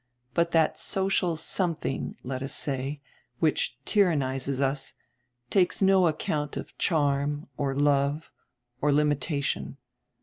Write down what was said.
But that social something, let us say, which tyrannizes us, takes no account of charm, or love, or limitation.